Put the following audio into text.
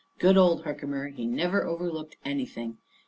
Good old Herkimer, he never overlooked anything!